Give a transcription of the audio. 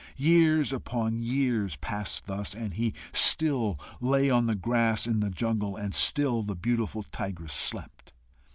Years upon years passed thus, and he still lay on the grass in the jungle, and still the beautiful tigress slept.